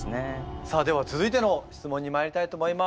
さあでは続いての質問にまいりたいと思います。